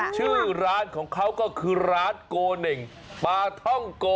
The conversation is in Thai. ชื่อร้านของเขาก็คือร้านโกเน่งปลาท่องโก